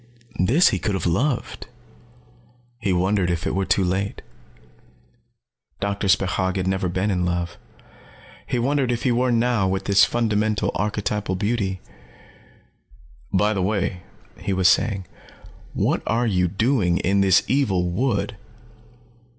This he could have loved. He wondered if it were too late. Doctor Spechaug had never been in love. He wondered if he were now with this fundamental archetypal beauty. "By the way," he was saying, "what are you doing in this evil wood?"